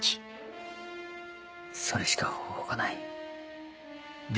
それしか方法がない。